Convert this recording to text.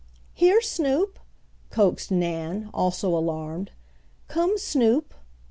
"Here, Snoop," coaxed Nan, also alarmed. "Come, Snoop!"